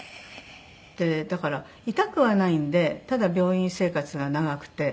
だから痛くはないんでただ病院生活が長くて。